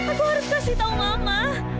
aku harus kasih tahu mama